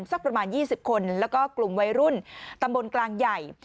สักประมาณ๒๐คนแล้วก็กลุ่มวัยรุ่นตำบลกลางใหญ่